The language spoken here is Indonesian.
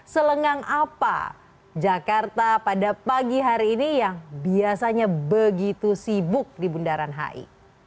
selengang apa jakarta pada pagi hari ini yang biasanya begitu sibuk di bundaran hi